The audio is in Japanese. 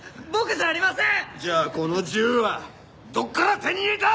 じゃあこの銃は！？どこから手に入れた！